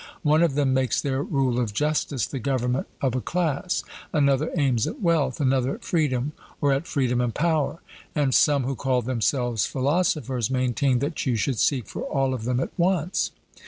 One of them makes their rule of justice the government of a class; another aims at wealth; another at freedom, or at freedom and power; and some who call themselves philosophers maintain that you should seek for all of them at once.